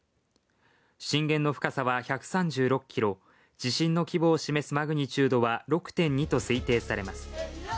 震源の深さは１３６ｋｍ地震の規模を示すマグニチュードは６．２と推定されます。